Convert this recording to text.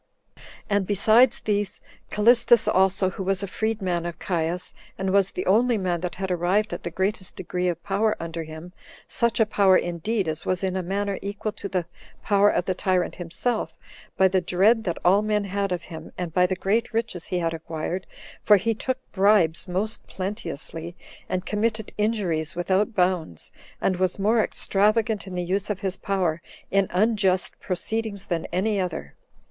And besides these, Callistus also, who was a freed man of Caius, and was the only man that had arrived at the greatest degree of power under him, such a power, indeed, as was in a manner equal to the power of the tyrant himself, by the dread that all men had of him, and by the great riches he had acquired; for he took bribes most plenteously, and committed injuries without bounds, and was more extravagant in the use of his power in unjust proceedings than any other.